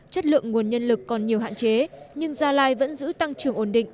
chất lượng nguồn nhân lực còn nhiều hạn chế nhưng gia lai vẫn giữ tăng trưởng ổn định